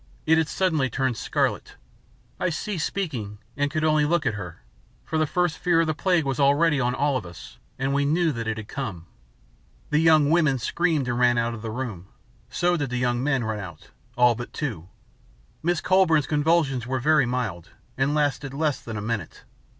It had suddenly turned scarlet. I ceased speaking and could only look at her, for the first fear of the plague was already on all of us and we knew that it had come. The young women screamed and ran out of the room. So did the young men run out, all but two. Miss Collbran's convulsions were very mild and lasted less than a minute.